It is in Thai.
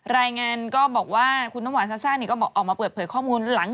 รายงานก็บอกว่าคุณน้ำหวานซาซ่าเนี่ยก็บอกออกมาเปิดเผยข้อมูล